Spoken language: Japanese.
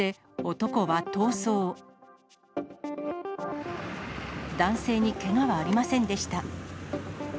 男性にけがはありませんでした。